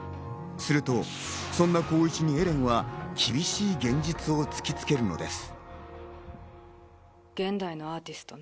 すると、そんな光一にエレンは厳しい現実を突きつけるのです。